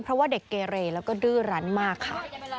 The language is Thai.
เพราะว่าเด็กเกเรแล้วก็ดื้อรั้นมากค่ะ